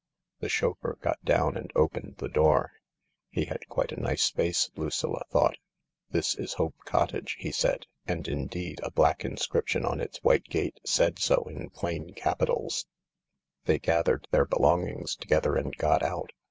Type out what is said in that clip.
The chauffeur got down and opened the door. He had quite a nice face, Lucilla thought. "This is Hope Cottage/' he said. And, indeed, a black inscription on its white gate said so in plain capitals. 80 THE LARK They gathered their belongings together and got out.